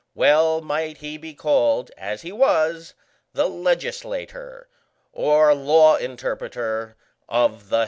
Well might he be called, as he was, "the legislator," or law interpreter, "of the heavens."